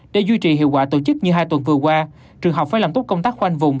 để duy trì hiệu quả tổ chức như hai tuần vừa qua trường học phải làm tốt công tác khoanh vùng